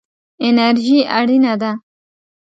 انرژي اړینه ده.